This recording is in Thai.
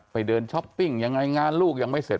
ไปเดินช้อปปิ้งยังไงงานลูกยังไม่เสร็จ